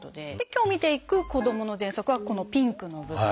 今日見ていく「子どものぜんそく」はこのピンクの部分。